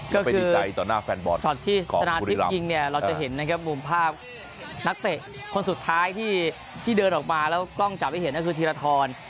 ก็คือช็อตที่สนานทิศยิงเนี่ยเราจะเห็นมุมภาพนักเตะคนสุดท้ายที่เดินออกมาแล้วกล้องจับให้เห็นนั่นคือธีรธร